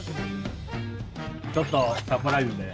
ちょっとサプライズで。